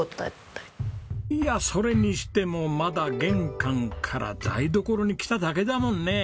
いやそれにしてもまだ玄関から台所に来ただけだもんね。